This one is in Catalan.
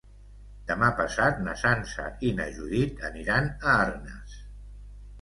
Demà passat na Sança i na Judit aniran a Arnes.